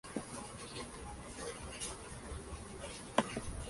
Es el antagonista de la novela.